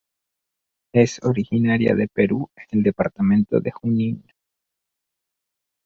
Es originaria de Perú en el Departamento de Junín.